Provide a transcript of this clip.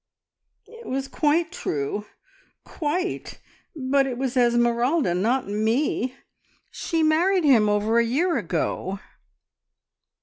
"It was quite true quite, but it was Esmeralda, not me! She married him over a year ago."